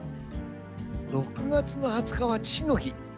６月の２０日は父の日。